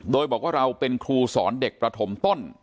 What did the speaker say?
โดยบอกว่าเราเป็นครูสอนเด็กประถมต้น